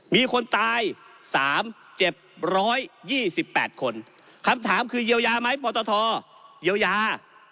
มีคนตายสามเจ็บร้อยยี่สิบแปดคนคำถามคือเยียวยาไหมปธเยียวยา